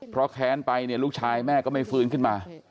เพราะแค้นไปเนี่ยลูกชายแม่ก็ไม่ฟื้นขึ้นมา